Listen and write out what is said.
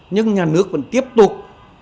nhưng bugs vẫn tiếp tục